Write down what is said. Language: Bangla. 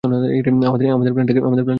আমাদের প্লানটাকে ভেস্তে দিয়েছ।